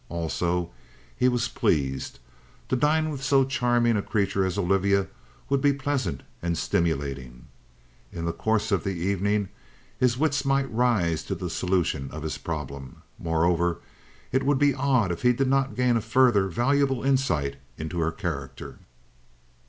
Also, he was pleased: to dine with so charming a creature as Olivia would be pleasant and stimulating. In the course of the evening his wits might rise to the solution of his problem. Moreover, it would be odd if he did not gain a further, valuable insight into her character.